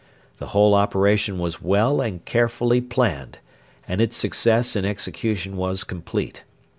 The whole operation was well and carefully planned, and its success in execution was complete.